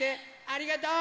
ありがとう！